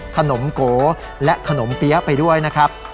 โกและขนมเปี๊ยะไปด้วยนะครับ